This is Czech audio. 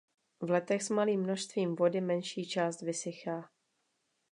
V letech s malým množstvím vody menší část vysychá.